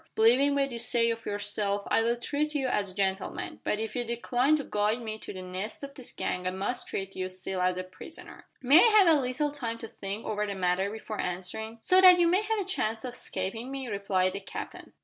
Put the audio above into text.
Believing what you say of yourself I will treat you as a gentleman, but if you decline to guide me to the nest of this gang I must treat you still as a prisoner." "May I have a little time to think over the matter before answering?" "So that you may have a chance of escaping me?" replied the Captain.